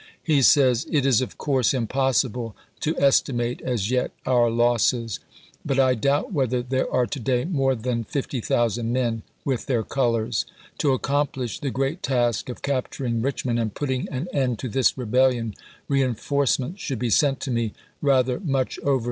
He says: It is of course impossible to estimate, as yet, our losses ; but I doubt whether there are to day more than 50,000 men with their colors. To accomplish the great task of cap turing Richmond and putting an end to this rebellion re enforcements should be sent to me, rather much over w. R.